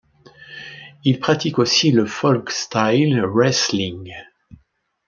Il pratique aussi le folkstyle wrestling.